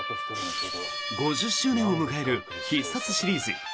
５０周年を迎える「必殺」シリーズ。